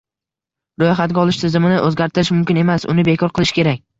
Ro'yxatga olish tizimini o'zgartirish mumkin emas, uni bekor qilish kerak!